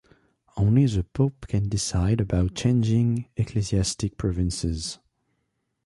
Only the Pope can decide about changing ecclesiastic provinces.